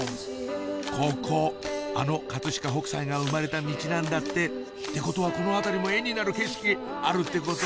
ここあの飾北斎が生まれたミチなんだってってことはこの辺りも絵になる景色あるってこと？